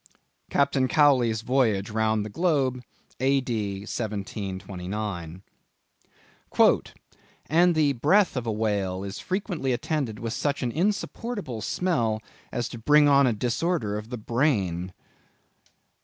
—Captain Cowley's Voyage round the Globe, A.D. 1729. "... and the breath of the whale is frequently attended with such an insupportable smell, as to bring on a disorder of the brain."